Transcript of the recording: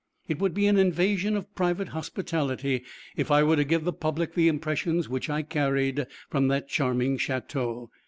It would be an invasion of private hospitality if I were to give the public the impressions which I carried from that charming château.